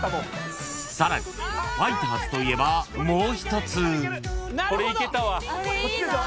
［ファイターズといえばもう一つ］